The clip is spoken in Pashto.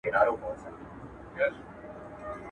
مسافر پر لاري ځکه د ارمان سلګی وهمه.